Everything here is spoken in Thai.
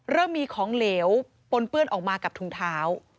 เริ่มมีของเหลวปนเปื้อนออกมากับถุงเท้า